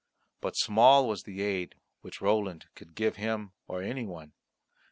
But small was the aid which Roland could give him or any one.